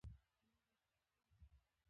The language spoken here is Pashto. لومړی باید مصرفي ارزښت ولري.